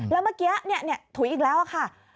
แล้วเมื่อกี้ถุยอีกแล้วค่ะ